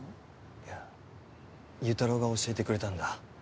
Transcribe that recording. いや優太郎が教えてくれたんだ。